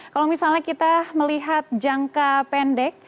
kalau misalnya kita melihat jangka pendek